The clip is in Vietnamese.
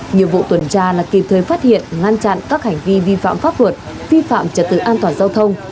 nhiệm vụ tuần tra là kịp thời phát hiện ngăn chặn các hành vi vi phạm pháp luật vi phạm trật tự an toàn giao thông